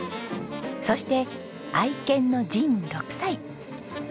そして愛犬のジン６歳。